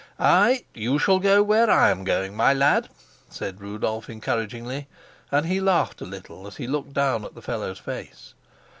"Ay, you shall go where I am going, my lad," said Rudolf encouragingly; and he laughed a little as he looked down at the fellow's face.